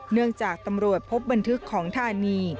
เนื่องจากตำรวจพบบันทึกของธานี